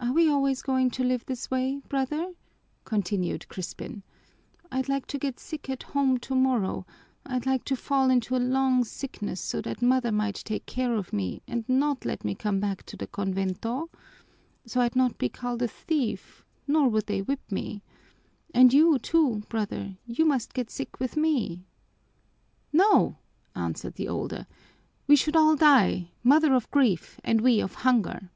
"Are we always going to live this way, brother?" continued Crispin. "I'd like to get sick at home tomorrow, I'd like to fall into a long sickness so that mother might take care of me and not let me come back to the convento. So I'd not be called a thief nor would they whip me. And you too, brother, you must get sick with me." "No," answered the older, "we should all die: mother of grief and we of hunger."